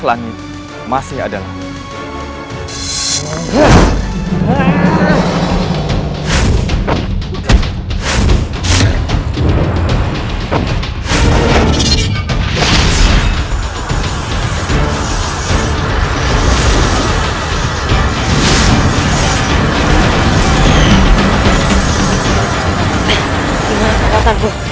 langit masih ada langit